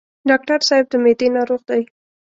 ډاکټر صاحب د معدې ناروغ دی.